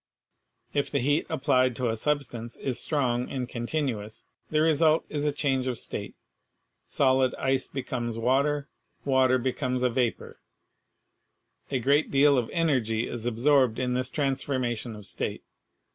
If the heat applied to a substance is strong and continuous, the result is a HEAT 55 change of state ; solid ice becomes water, water becomes a vapor, A great deal of energy is absorbed in this trans formation of state.